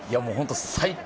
最高！